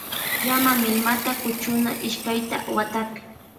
Llama milmataka kuchuna ishkayta watapi.